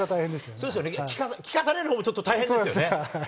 そうですよね、聞かされるほうもちょっと大変ですよね。